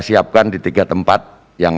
siapkan di tiga tempat yang